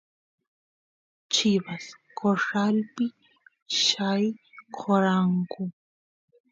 chivas corralpi yaykoranku